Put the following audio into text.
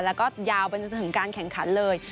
แล้วก็ยาวไปจนถึงการแข่งขันเลย